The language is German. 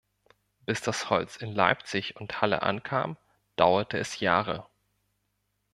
Bis das Holz in Leipzig und Halle ankam, dauerte es Jahre.